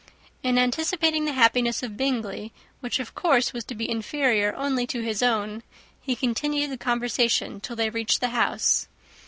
In anticipating the happiness of Bingley, which of course was to be inferior only to his own, he continued the conversation till they reached the house.